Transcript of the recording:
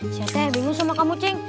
saya teh bingung sama kamu cing